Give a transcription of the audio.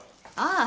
ああ。